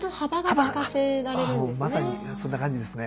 まさにそんな感じですね。